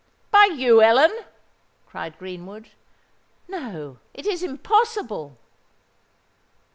"By you, Ellen?" cried Greenwood. "No—it is impossible!"